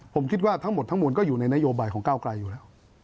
ผมคิดว่าทั้งหมดทั้งมวลก็อยู่ในนโยบายของก้าวไกลอยู่แล้ว